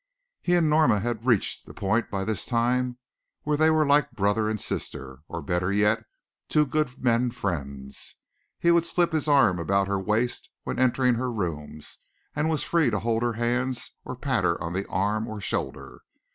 He and Norma had reached the point by this time where they were like brother and sister, or better yet, two good men friends. He would slip his arm about her waist when entering her rooms and was free to hold her hands or pat her on the arm or shoulder.